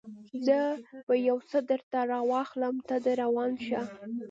زه به یو څه درته راواخلم، ته در روان شه.